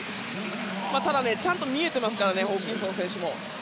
ただ、ちゃんと見えていますからホーキンソン選手も。